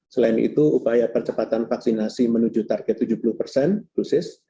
selain itu upaya percepatan vaksinasi menuju target tujuh puluh persen dosis